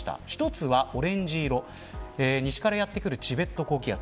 １つはオレンジ色西からやって来るチベット高気圧